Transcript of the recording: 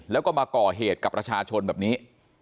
แล้วก็มาก่อเหตุกับประชาชนแบบนี้